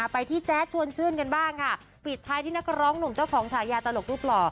ไปที่แจ๊ดชวนชื่นกันบ้างค่ะปิดท้ายที่นักร้องหนุ่มเจ้าของฉายาตลกรูปหล่อ